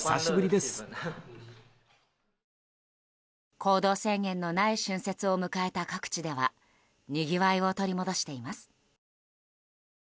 行動制限のない春節を迎えた各地ではにぎわいを取り戻しています。